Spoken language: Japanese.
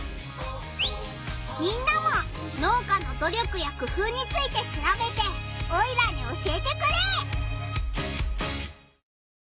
みんなも農家の努力やくふうについてしらべてオイラに教えてくれ！